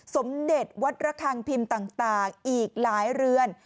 สมเด็จวัดระคังพิมพ์ต่างอีกหลายเรือน